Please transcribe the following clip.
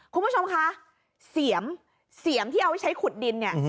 คุณผู้ชมคะเสียมที่เอาไว้ใช้ขุดดินเนี่ย